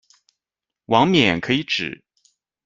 王冕可以指：